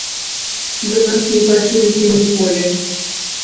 Вы нас не пачуеце ніколі!